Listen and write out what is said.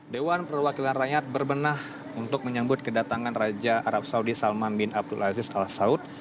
dewan perwakilan rakyat berbenah untuk menyambut kedatangan raja arab saudi salman bin abdul aziz al saud